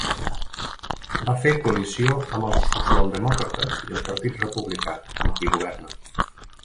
Va fer coalició amb els socialdemòcrates i el Partit Republicà, amb qui governa.